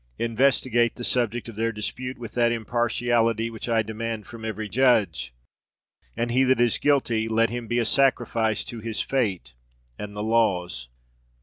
Investigate the subject of their dispute with that impartiality which I demand from every judge; and he that is guilty, let him be a sacrifice to his fate and the laws.